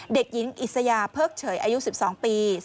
เด็กหญิงอิสยาเพิกเฉยอายุ๑๒ปี